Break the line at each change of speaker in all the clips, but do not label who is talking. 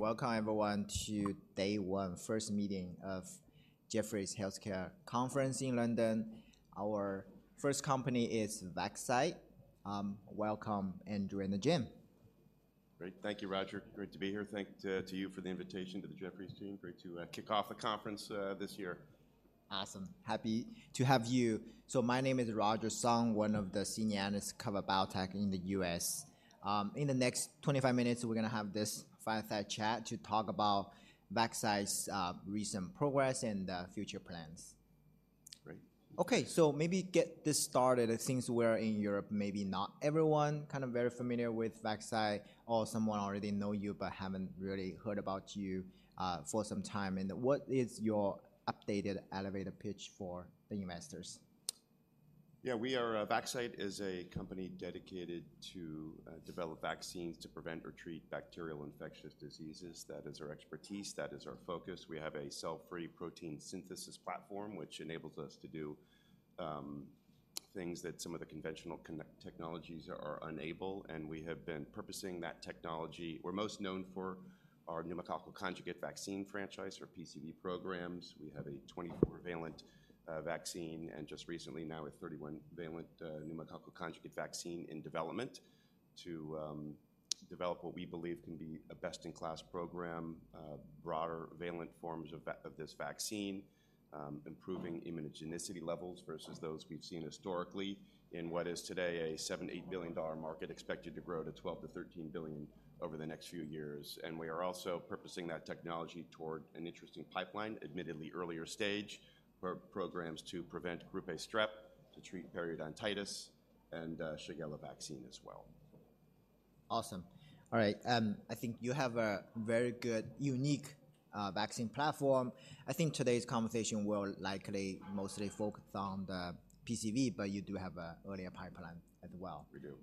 Hey, welcome everyone to day one, first meeting of Jefferies Healthcare Conference in London. Our first company is Vaxcyte. Welcome, Andrew and Jim.
Great. Thank you, Roger. Great to be here. Thanks to you for the invitation to the Jefferies team. Great to kick off the conference this year.
Awesome. Happy to have you. So my name is Roger Song, one of the senior analysts cover biotech in the US. In the next 25 minutes, we're gonna have this fireside chat to talk about Vaxcyte's recent progress and future plans.
Great.
Okay, so maybe get this started. It seems we're in Europe, maybe not everyone kind of very familiar with Vaxcyte or someone already know you but haven't really heard about you for some time. What is your updated elevator pitch for the investors?
Yeah, we are, Vaxcyte is a company dedicated to develop vaccines to prevent or treat bacterial infectious diseases. That is our expertise, that is our focus. We have a cell-free protein synthesis platform, which enables us to do things that some of the conventional technologies are unable, and we have been repurposing that technology. We're most known for our pneumococcal conjugate vaccine franchise or PCV programs. We have a 24-valent vaccine, and just recently now a 31-valent pneumococcal conjugate vaccine in development to develop what we believe can be a best-in-class program, broader valent forms of this vaccine, improving immunogenicity levels versus those we've seen historically in what is today a $7-$8 billion market, expected to grow to $12-$13 billion over the next few years. We are also repurposing that technology toward an interesting pipeline, admittedly earlier stage, for programs to prevent Group A strep, to treat periodontitis, and Shigella vaccine as well.
Awesome. All right, I think you have a very good, unique, vaccine platform. I think today's conversation will likely mostly focus on the PCV, but you do have an earlier pipeline as well.
We do.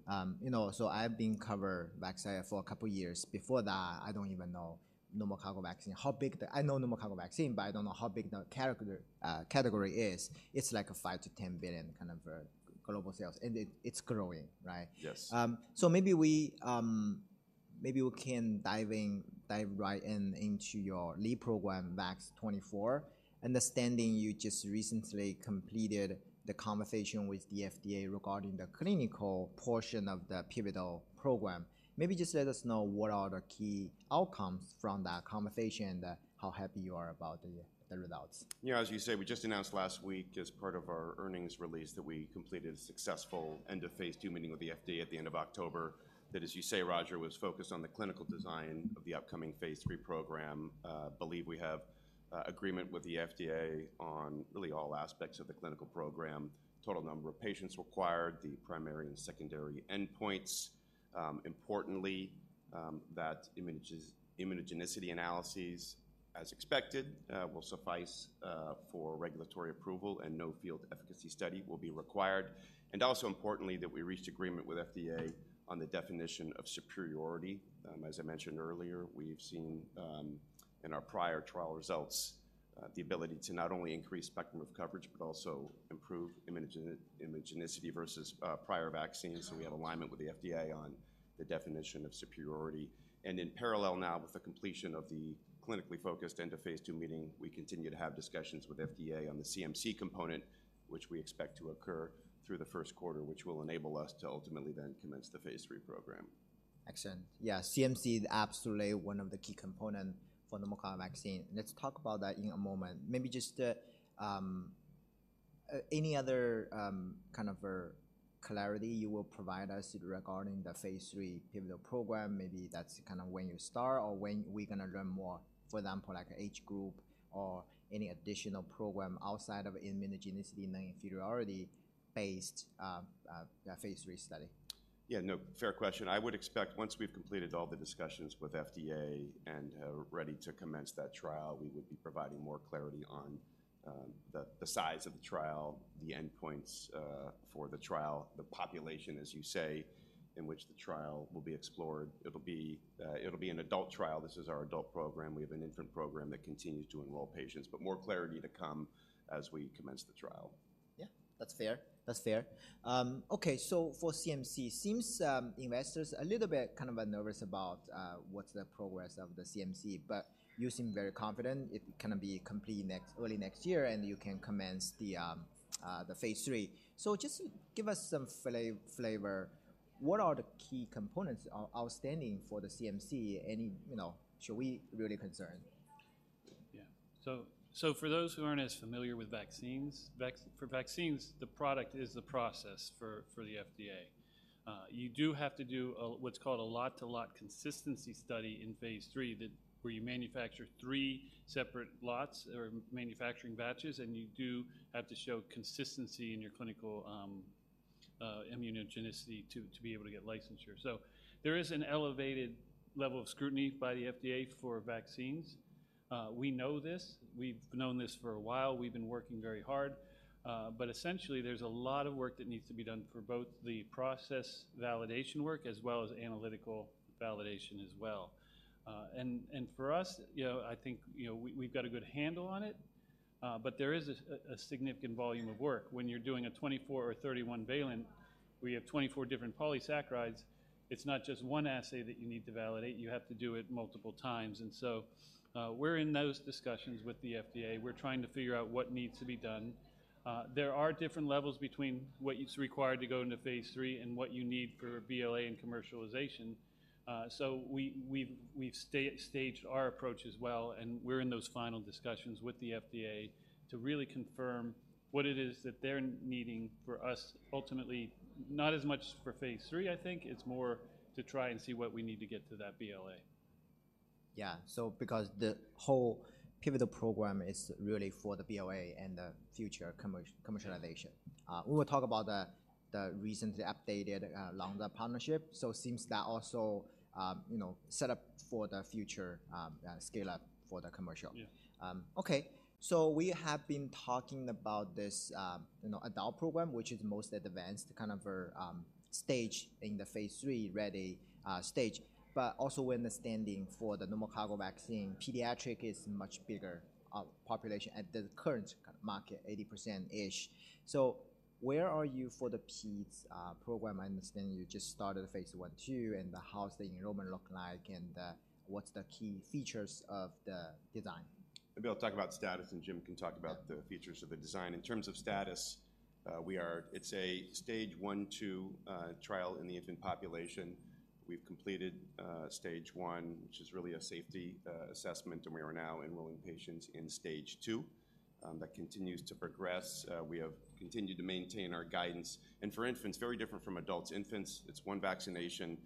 You know, so I've been covering Vaxcyte for a couple of years. Before that, I don't even know pneumococcal vaccine, how big the... I know pneumococcal vaccine, but I don't know how big the market category is. It's like a $5-$10 billion kind of global sales, and it, it's growing, right?
Yes.
So maybe we, maybe we can dive in, dive right in into your lead program, VAX-24. Understanding you just recently completed the conversation with the FDA regarding the clinical portion of the pivotal program. Maybe just let us know what are the key outcomes from that conversation and how happy you are about the results.
Yeah, as you say, we just announced last week as part of our earnings release, that we completed a successful End-of-Phase II meeting with the FDA at the end of October. That, as you say, Roger, was focused on the clinical design of the upcoming Phase III program. Believe we have agreement with the FDA on really all aspects of the clinical program, total number of patients required, the primary and secondary endpoints. Importantly, that immunogenicity analyses, as expected, will suffice for regulatory approval and no field efficacy study will be required. And also importantly, that we reached agreement with FDA on the definition of superiority. As I mentioned earlier, we've seen in our prior trial results the ability to not only increase spectrum of coverage, but also improve immunogenicity versus prior vaccines. We have alignment with the FDA on the definition of superiority. In parallel now with the completion of the clinically focused end-of-Phase II meeting, we continue to have discussions with FDA on the CMC component, which we expect to occur through the first quarter, which will enable us to ultimately then commence the Phase III program.
Excellent. Yeah, CMC is absolutely one of the key components for pneumococcal vaccine. Let's talk about that in a moment. Maybe just any other kind of clarity you will provide us regarding the phase III pivotal program. Maybe that's kind of when you start or when we're gonna learn more, for example, like age group or any additional program outside of immunogenicity non-inferiority based phase III study.
Yeah, no, fair question. I would expect once we've completed all the discussions with FDA and ready to commence that trial, we would be providing more clarity on the size of the trial, the endpoints for the trial, the population, as you say, in which the trial will be explored. It'll be, it'll be an adult trial. This is our adult program. We have an infant program that continues to enroll patients, but more clarity to come as we commence the trial.
Yeah, that's fair. That's fair. Okay, so for CMC, seems investors a little bit kind of nervous about what's the progress of the CMC, but you seem very confident it can be completed early next year, and you can commence the phase III. So just give us some flavor. What are the key components outstanding for the CMC? Any, you know, should we really concern?
Yeah. So for those who aren't as familiar with vaccines, for vaccines, the product is the process for the FDA. You do have to do what's called a Lot-to-Lot Consistency Study in Phase III, where you manufacture three separate lots or manufacturing batches, and you do have to show consistency in your clinical immunogenicity to be able to get licensure. So there is an elevated level of scrutiny by the FDA for vaccines. We know this. We've known this for a while. We've been working very hard, but essentially, there's a lot of work that needs to be done for both the process validation work as well as analytical validation as well. And for us, you know, I think, you know, we've got a good handle on it. but there is a significant volume of work. When you're doing a 24- or 31-valent, we have 24 different polysaccharides, it's not just one assay that you need to validate, you have to do it multiple times. And so, we're in those discussions with the FDA. We're trying to figure out what needs to be done. There are different levels between what is required to go into phase III and what you need for BLA and commercialization. So we've staged our approach as well, and we're in those final discussions with the FDA to really confirm what it is that they're needing for us, ultimately, not as much for phase III, I think, it's more to try and see what we need to get to that BLA.
Yeah. So because the whole pivotal program is really for the BLA and the future commercialization. We will talk about the recently updated longer partnership. So it seems that also, you know, set up for the future scale up for the commercial.
Yeah.
Okay. So we have been talking about this, you know, adult program, which is most advanced, kind of, stage in the Phase III-ready stage, but also understanding for the pneumococcal vaccine, pediatric is much bigger population at the current market, 80%-ish. So where are you for the peds program? I understand you just started the Phase I/II, and how's the enrollment look like, and what's the key features of the design?
I'll be able to talk about status, and Jim can talk about-
Yeah...
the features of the design. In terms of status, we are—it's a Stage I/II trial in the infant population. We've completed Stage I, which is really a safety assessment, and we are now enrolling patients in Stage II. That continues to progress. We have continued to maintain our guidance. For infants, very different from adults. Infants, it's 1 vaccination,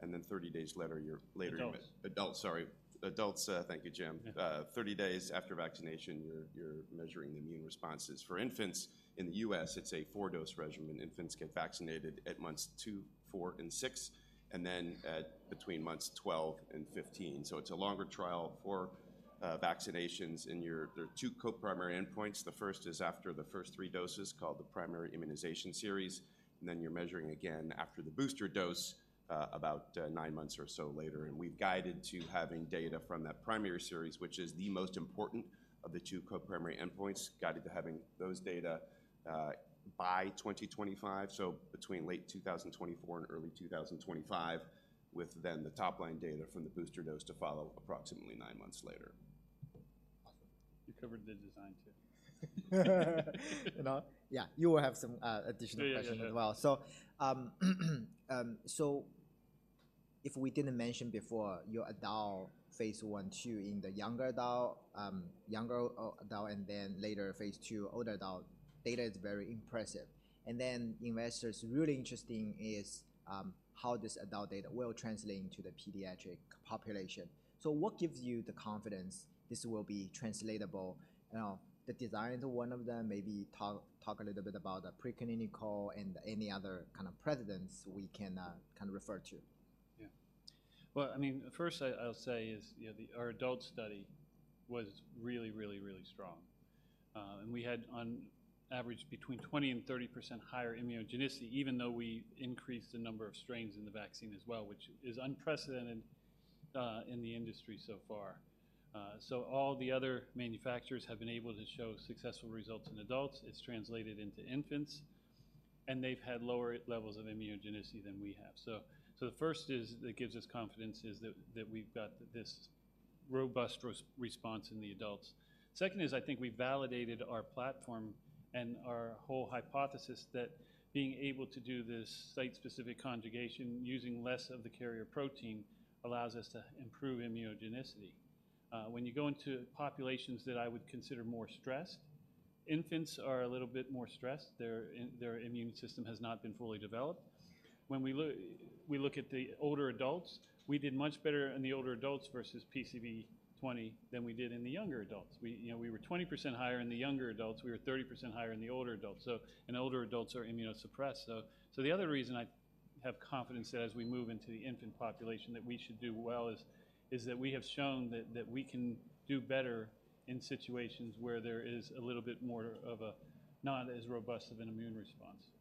and then 30 days later, you're—later-
Adults. Adults, sorry. Adults, thank you, Jim. Yeah.
30 days after vaccination, you're measuring the immune responses. For infants, in the U.S., it's a 4-dose regimen. Infants get vaccinated at months 2, 4, and 6, and then at between months 12 and 15. So it's a longer trial, 4 vaccinations, and there are 2 co-primary endpoints. The first is after the first 3 doses, called the primary immunization series, and then you're measuring again after the booster dose, about 9 months or so later. And we've guided to having data from that primary series, which is the most important of the 2 co-primary endpoints, guided to having those data by 2025, so between late 2024 and early 2025, with then the top-line data from the booster dose to follow approximately 9 months later.
Awesome.
You covered the design, too.
You know? Yeah, you will have some additional-
Yeah, yeah, yeah...
questions as well. So, if we didn't mention before, your adult phase I/II in the younger adult, younger adult, and then later phase II, older adult, data is very impressive. And then investors, really interesting is, how this adult data will translate into the pediatric population. So what gives you the confidence this will be translatable? You know, the design is one of them. Maybe talk, talk a little bit about the preclinical and any other kind of precedents we can, kind of refer to.
Yeah. Well, I mean, first I, I'll say is, you know, our adult study was really, really, really strong. And we had on average between 20% and 30% higher immunogenicity, even though we increased the number of strains in the vaccine as well, which is unprecedented, in the industry so far. So all the other manufacturers have been able to show successful results in adults. It's translated into infants, and they've had lower levels of immunogenicity than we have. So, so the first is, that gives us confidence, is that, that we've got this robust response in the adults. Second is, I think we validated our platform and our whole hypothesis that being able to do this site-specific conjugation using less of the carrier protein allows us to improve immunogenicity. When you go into populations that I would consider more stressed, infants are a little bit more stressed. They're in, their immune system has not been fully developed. When we look at the older adults, we did much better in the older adults versus PCV20 than we did in the younger adults. We, you know, were 20% higher in the younger adults, we were 30% higher in the older adults, so. Older adults are immunosuppressed. So the other reason I have confidence that as we move into the infant population, that we should do well is that we have shown that we can do better in situations where there is a little bit more of a not as robust of an immune response.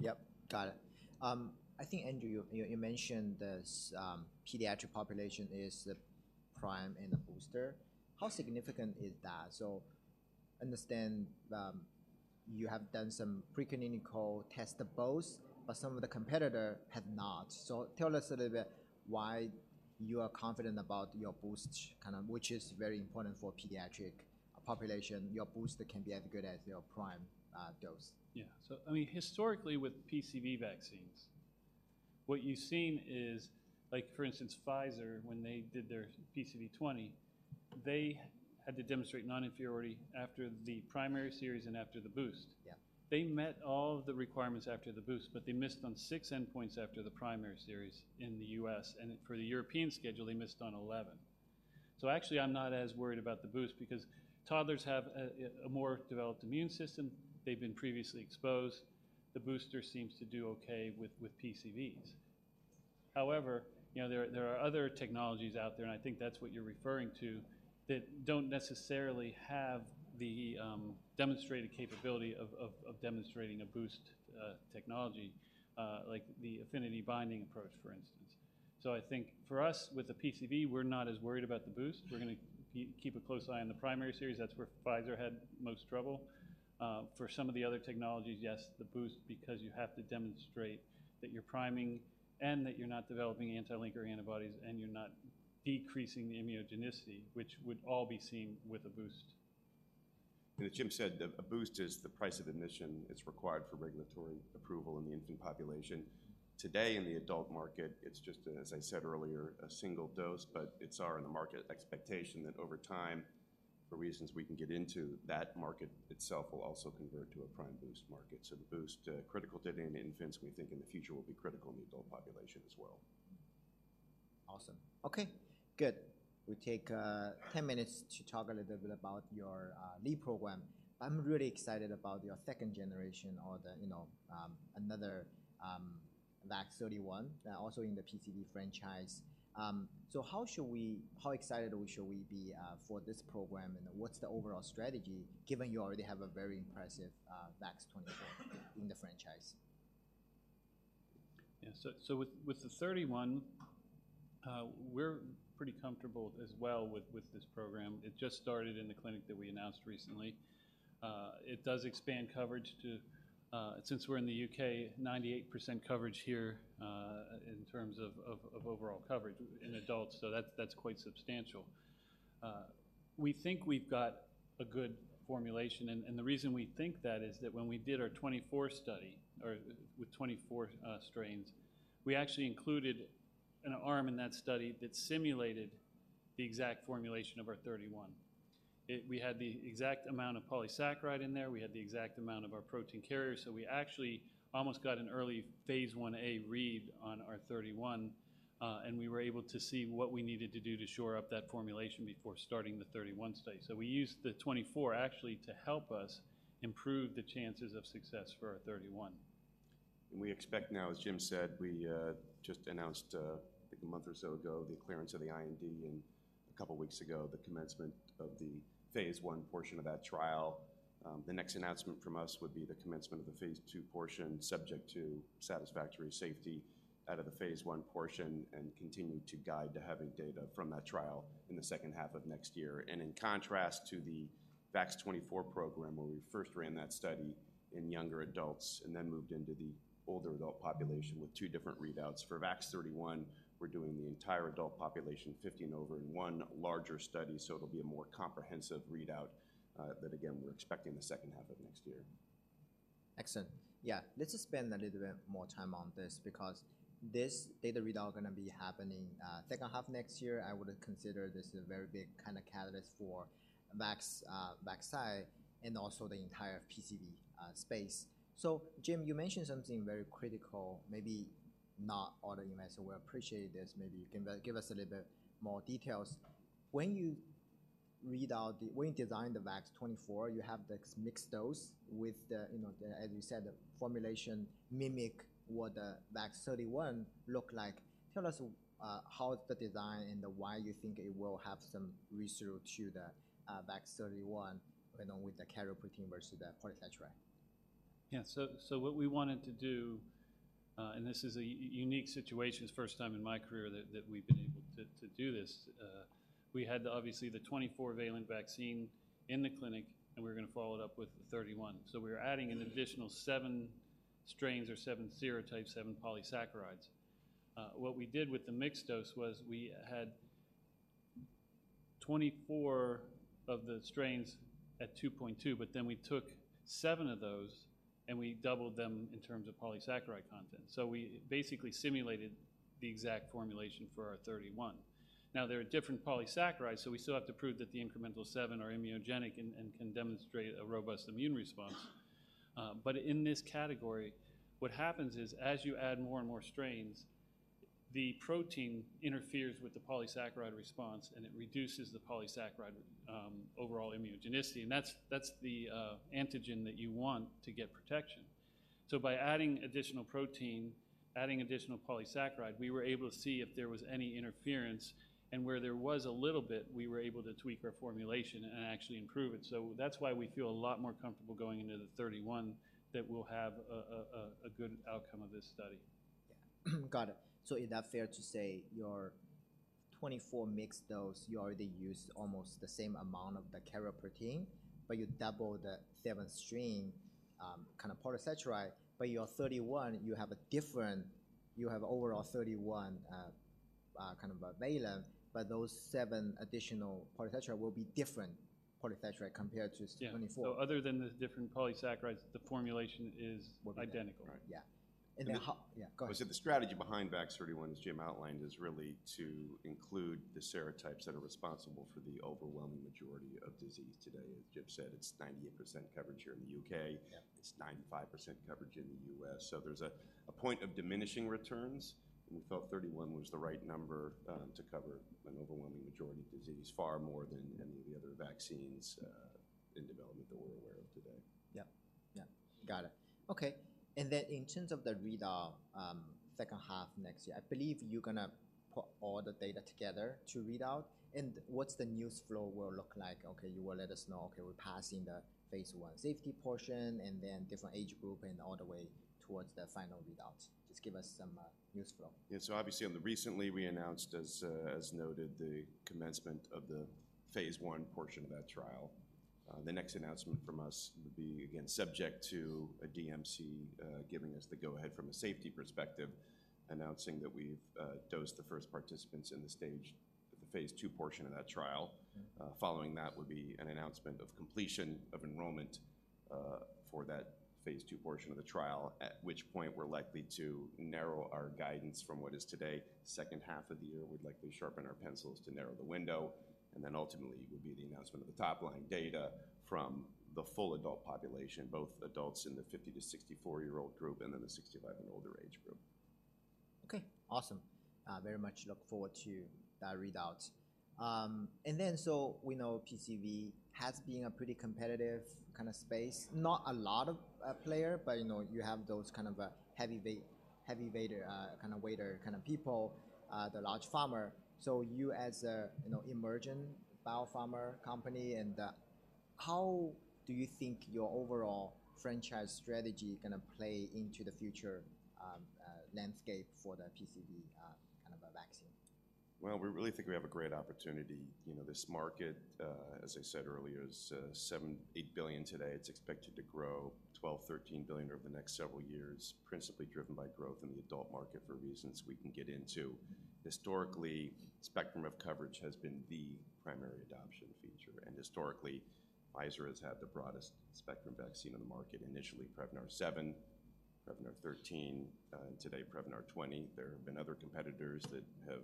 Yep, got it. I think, Andrew, you mentioned this pediatric population is the prime and the booster. How significant is that? So, understand, you have done some preclinical tests, but some of the competitor had not. So tell us a little bit why you are confident about your boost, kind of, which is very important for pediatric population, your booster can be as good as your prime dose.
Yeah. So I mean, historically, with PCV vaccines, what you've seen is, like for instance, Pfizer, when they did their PCV20, they had to demonstrate non-inferiority after the primary series and after the boost.
Yeah.
They met all of the requirements after the boost, but they missed on six endpoints after the primary series in the U.S., and for the European schedule, they missed on 11. So actually, I'm not as worried about the boost because toddlers have a more developed immune system. They've been previously exposed. The booster seems to do okay with PCVs. However, you know, there are other technologies out there, and I think that's what you're referring to, that don't necessarily have the demonstrated capability of demonstrating a boost technology like the affinity binding approach, for instance. So I think for us, with the PCV, we're not as worried about the boost. We're gonna keep a close eye on the primary series. That's where Pfizer had most trouble. For some of the other technologies, yes, the boost, because you have to demonstrate that you're priming and that you're not developing anti-linker antibodies, and you're not decreasing the immunogenicity, which would all be seen with a boost.
As Jim said, a boost is the price of admission. It's required for regulatory approval in the infant population. Today, in the adult market, it's just, as I said earlier, a single dose, but it's our, in the market expectation that over time, for reasons we can get into, that market itself will also convert to a prime boost market. So the boost, critical today in infants, we think in the future will be critical in the adult population as well.
Awesome. Okay, good. We take 10 minutes to talk a little bit about your lead program. I'm really excited about your second generation or the, you know, another, VAX-31, also in the PCV franchise. So how should we-- how excited should we be for this program, and what's the overall strategy, given you already have a very impressive, VAX-24 in the franchise?
Yeah. So with the 31, we're pretty comfortable as well with this program. It just started in the clinic that we announced recently. It does expand coverage to, since we're in the UK, 98% coverage here, in terms of overall coverage in adults, so that's quite substantial. We think we've got a good formulation, and the reason we think that is that when we did our 24 study or with 24 strains, we actually included an arm in that study that simulated the exact formulation of our 31. We had the exact amount of polysaccharide in there. We had the exact amount of our protein carrier, so we actually almost got an early phase 1a read on our 31, and we were able to see what we needed to do to shore up that formulation before starting the 31 study. So we used the 24 actually to help us improve the chances of success for our 31.
We expect now, as Jim said, we just announced, I think a month or so ago, the clearance of the IND and a couple of weeks ago, the commencement of the phase I portion of that trial. The next announcement from us would be the commencement of the phase II portion, subject to satisfactory safety out of the phase I portion, and continue to guide to having data from that trial in the second half of next year. In contrast to the VAX-24 program, where we first ran that study in younger adults and then moved into the older adult population with two different readouts. For VAX-31, we're doing the entire adult population, 50 and over, in one larger study, so it'll be a more comprehensive readout, that again, we're expecting the second half of next year.
Excellent. Yeah, let's just spend a little bit more time on this because this data readout gonna be happening second half next year. I would consider this a very big kinda catalyst for Vax, Vaxcyte and also the entire PCV space. So Jim, you mentioned something very critical, maybe not all the investors will appreciate this. Maybe you can give us a little bit more details. When you read out the—when you designed the VAX-24, you have the mixed dose with the, you know, the, as you said, the formulation mimic what the VAX-31 look like. Tell us how the design and why you think it will have some research to the VAX-31, you know, with the carrier protein versus the polysaccharide.
Yeah. So what we wanted to do, and this is a unique situation. It's the first time in my career that we've been able to do this. We had obviously the 24-valent vaccine in the clinic, and we're gonna follow it up with the 31. So we're adding an additional seven strains or seven serotypes, seven polysaccharides. What we did with the mixed dose was we had 24 of the strains at 2.2, but then we took seven of those, and we doubled them in terms of polysaccharide content. So we basically simulated the exact formulation for our 31. Now, there are different polysaccharides, so we still have to prove that the incremental seven are immunogenic and can demonstrate a robust immune response. But in this category, what happens is as you add more and more strains, the protein interferes with the polysaccharide response, and it reduces the polysaccharide overall immunogenicity. And that's the antigen that you want to get protection. So by adding additional protein, adding additional polysaccharide, we were able to see if there was any interference, and where there was a little bit, we were able to tweak our formulation and actually improve it. So that's why we feel a lot more comfortable going into the 31, that we'll have a good outcome of this study.
Yeah. Got it. So is that fair to say your 24 mixed dose, you already used almost the same amount of the carrier protein, but you double the seventh strain kind of polysaccharide, but your 31, you have a different, you have overall 31 kind of a valent, but those 7 additional polysaccharide will be different polysaccharide compared to 24?
Yeah. So other than the different polysaccharides, the formulation is identical.
Right.
Yeah. Yeah, go ahead.
The strategy behind VAX-31, as Jim outlined, is really to include the serotypes that are responsible for the overwhelming majority of disease today. As Jim said, it's 98% coverage here in the U.K.
Yeah.
It's 95% coverage in the U.S. So there's a point of diminishing returns, and we felt 31 was the right number to cover an overwhelming majority of disease, far more than any of the other vaccines in development that we're aware of today.
Yeah. Yeah, got it. Okay, and then in terms of the readout, second half next year, I believe you're gonna put all the data together to read out. And what's the news flow will look like? Okay, you will let us know. Okay, we're passing the phase I safety portion and then different age group and all the way towards the final readout. Just give us some news flow.
Yeah, so obviously, recently, we announced, as noted, the commencement of the phase 1 portion of that trial. The next announcement from us would be, again, subject to a DMC giving us the go ahead from a safety perspective, announcing that we've dosed the first participants in the phase II portion of that trial. Following that would be an announcement of completion of enrollment for that phase II portion of the trial, at which point we're likely to narrow our guidance from what is today, second half of the year. We'd likely sharpen our pencils to narrow the window, and then ultimately, it would be the announcement of the top-line data from the full adult population, both adults in the 50-64-year-old group and then the 65 and older age group. Okay, awesome. Very much look forward to that readout. And then, so we know PCV has been a pretty competitive kinda space. Not a lot of player, but, you know, you have those kind of heavyweight, kinda wighter kinda people, the large pharma. So you as a, you know, emerging biopharma company and, how do you think your overall franchise strategy gonna play into the future, landscape for the PCV, kind of a vaccine? Well, we really think we have a great opportunity. You know, this market, as I said earlier, is $7-$8 billion today. It's expected to grow $12-$13 billion over the next several years, principally driven by growth in the adult market for reasons we can get into. Historically, spectrum of coverage has been the primary adoption feature, and historically, Pfizer has had the broadest spectrum vaccine on the market, initially Prevnar 7, Prevnar 13, and today Prevnar 20. There have been other competitors that have,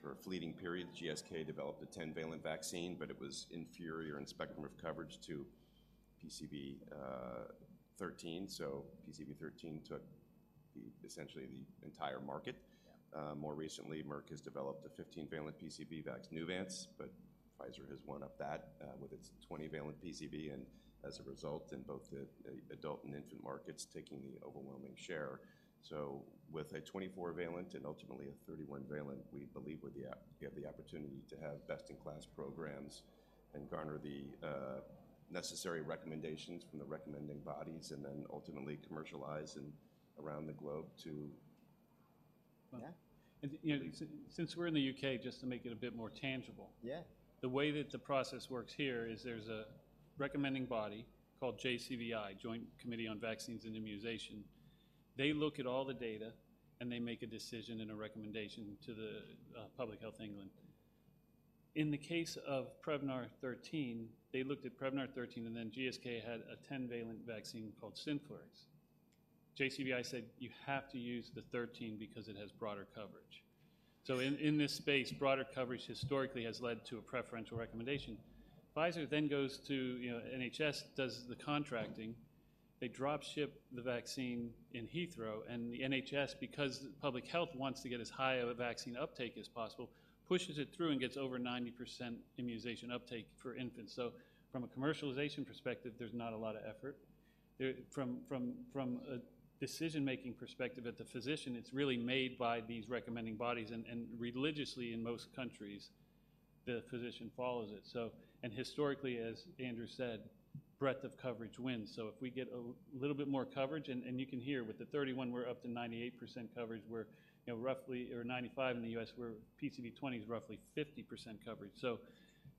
for a fleeting period, GSK developed a 10-valent vaccine, but it was inferior in spectrum of coverage to PCV13, so PCV13 took the, essentially the entire market.
Yeah.
More recently, Merck has developed a 15-valent PCV Vaxneuvance, but Pfizer has one-upped that with its 20-valent PCV, and as a result, in both the adult and infant markets, taking the overwhelming share. So with a 24-valent and ultimately a 31-valent, we believe we have the opportunity to have best-in-class programs and garner the necessary recommendations from the recommending bodies, and then ultimately commercialize around the globe to-
Yeah.
You know, since we're in the U.K., just to make it a bit more tangible...
Yeah.
The way that the process works here is there's a recommending body called JCVI, Joint Committee on Vaccines and Immunization. They look at all the data, and they make a decision and a recommendation to the Public Health England. In the case of Prevnar 13, they looked at Prevnar 13, and then GSK had a 10-valent vaccine called Synflorix. JCVI said: "You have to use the 13 because it has broader coverage." So in this space, broader coverage historically has led to a preferential recommendation. Pfizer then goes to, you know, NHS does the contracting. They drop ship the vaccine in Heathrow, and the NHS, because public health wants to get as high of a vaccine uptake as possible, pushes it through and gets over 90% immunization uptake for infants. So from a commercialization perspective, there's not a lot of effort. From a decision-making perspective at the physician, it's really made by these recommending bodies, and religiously in most countries, the physician follows it. So and historically, as Andrew said, breadth of coverage wins. So if we get a little bit more coverage, and you can hear with the 31, we're up to 98% coverage, where, you know, roughly or 95% in the U.S., where PCV 20 is roughly 50% coverage. So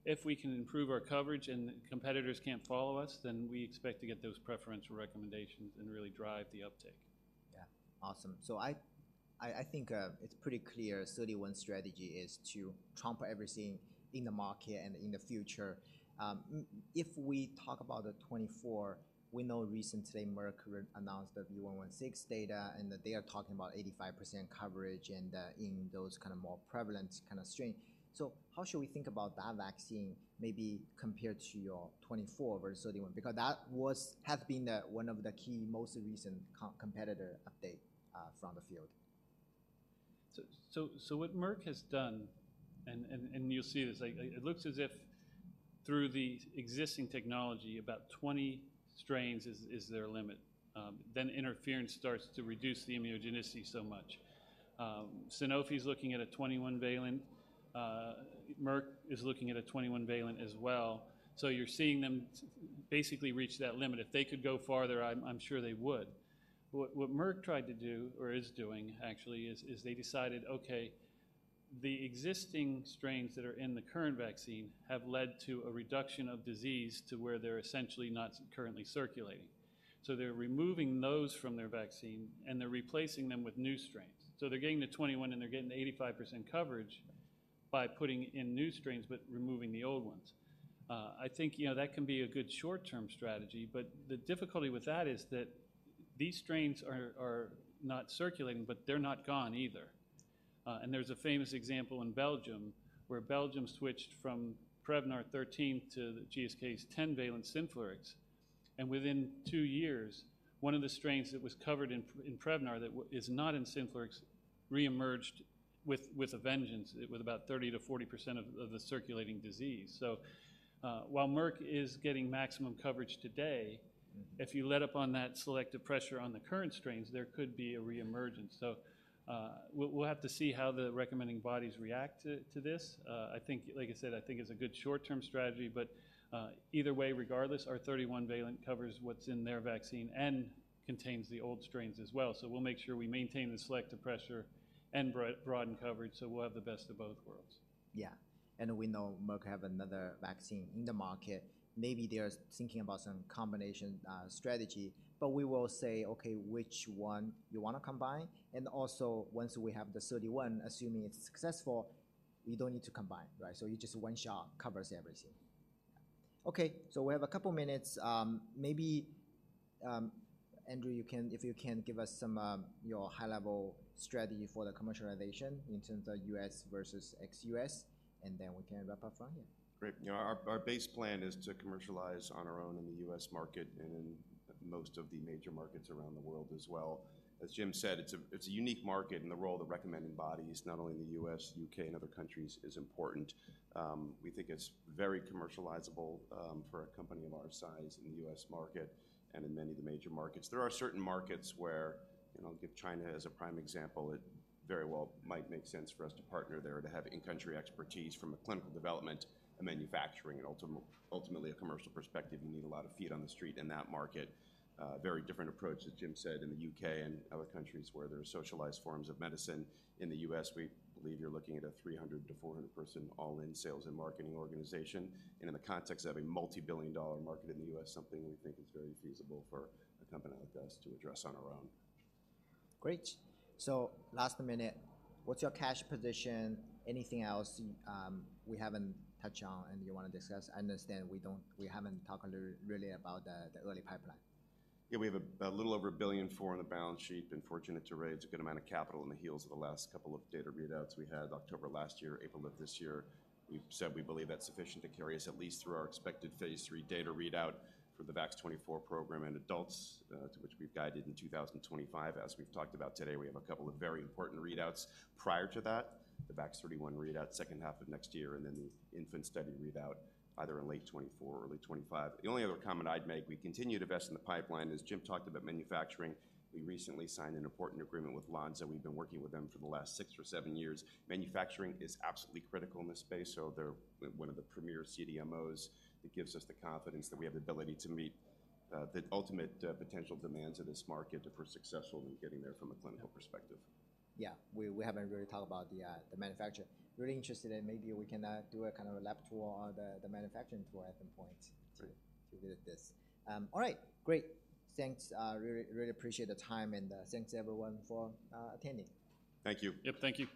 if we can improve our coverage and competitors can't follow us, then we expect to get those preferential recommendations and really drive the uptake.
Yeah. Awesome. So I think it's pretty clear, 31's strategy is to trump everything in the market and in the future. If we talk about the 24, we know recently Merck reannounced the V116 data, and that they are talking about 85% coverage and in those kind of more prevalent kind of strain. So how should we think about that vaccine maybe compared to your 24 versus 31? Because that was have been the one of the key, most recent competitor update from the field.
So what Merck has done and you'll see this, like, it looks as if through the existing technology, about 20 strains is their limit. Then interference starts to reduce the immunogenicity so much. Sanofi is looking at a 21-valent. Merck is looking at a 21-valent as well. So you're seeing them basically reach that limit. If they could go farther, I'm sure they would. What Merck tried to do or is doing actually is they decided, "Okay, the existing strains that are in the current vaccine have led to a reduction of disease to where they're essentially not currently circulating." So they're removing those from their vaccine, and they're replacing them with new strains. So they're getting to 21, and they're getting 85% coverage by putting in new strains but removing the old ones. I think, you know, that can be a good short-term strategy, but the difficulty with that is that these strains are not circulating, but they're not gone either. And there's a famous example in Belgium, where Belgium switched from Prevnar 13 to the GSK's ten-valent Synflorix, and within two years, one of the strains that was covered in Prevnar that is not in Synflorix reemerged with a vengeance, with about 30%-40% of the circulating disease. So, while Merck is getting maximum coverage today, if you let up on that selective pressure on the current strains, there could be a reemergence. So, we'll have to see how the recommending bodies react to this. I think, like I said, I think it's a good short-term strategy, but, either way, regardless, our 31-valent covers what's in their vaccine and contains the old strains as well. So we'll make sure we maintain the selective pressure and broaden coverage, so we'll have the best of both worlds.
Yeah. And we know Merck have another vaccine in the market. Maybe they're thinking about some combination strategy, but we will say, "Okay, which one you want to combine?" And also, once we have the 31, assuming it's successful, we don't need to combine, right? So you just one shot covers everything. Okay, so we have a couple of minutes. Maybe, Andrew, you can—if you can give us some your high-level strategy for the commercialization in terms of U.S. versus ex-U.S., and then we can wrap up from here.
Great. You know, our base plan is to commercialize on our own in the U.S. market and in most of the major markets around the world as well. As Jim said, it's a unique market, and the role of the recommending bodies, not only in the U.S., U.K., and other countries, is important. We think it's very commercializable for a company of our size in the U.S. market and in many of the major markets. There are certain markets where, you know, give China as a prime example, it very well might make sense for us to partner there, to have in-country expertise from a clinical development and manufacturing and ultimately, a commercial perspective. You need a lot of feet on the street in that market. A very different approach, as Jim said, in the U.K. and other countries where there are socialized forms of medicine. In the U.S., we believe you're looking at a 300-400 person all in sales and marketing organization, and in the context of a multi-billion-dollar market in the U.S., something we think is very feasible for a company like us to address on our own.
Great. So last minute, what's your cash position? Anything else we haven't touched on and you want to discuss? I understand we haven't talked really about the early pipeline.
Yeah, we have a little over $1.4 billion on the balance sheet. Been fortunate to raise a good amount of capital on the heels of the last couple of data readouts we had October last year, April of this year. We've said we believe that's sufficient to carry us at least through our expected phase III data readout for the VAX-24 program in adults, to which we've guided in 2025. As we've talked about today, we have a couple of very important readouts prior to that, the VAX-31 readout, second half of next year, and then the infant study readout either in late 2024 or early 2025. The only other comment I'd make, we continue to invest in the pipeline. As Jim talked about manufacturing, we recently signed an important agreement with Lonza. We've been working with them for the last six or seven years. Manufacturing is absolutely critical in this space, so they're one of the premier CDMOs. It gives us the confidence that we have the ability to meet the ultimate potential demands of this market if we're successful in getting there from a clinical perspective.
Yeah, we, we haven't really talked about the, the manufacture. Really interested in maybe we can, do a kind of a lab tour or the, the manufacturing tour at some point-
Great.
All right, great. Thanks. Really, really appreciate the time, and thanks, everyone, for attending.
Thank you.
Yep, thank you.